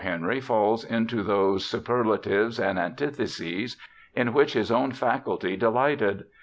Henry falls into those superlatives and antitheses in which his own faculty delighted.